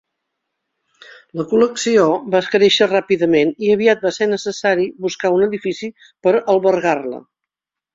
La col·lecció va créixer ràpidament i aviat va ser necessari buscar un edifici per albergar-la.